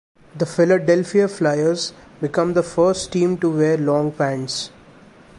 The Philadelphia Flyers become the first team to wear long pants.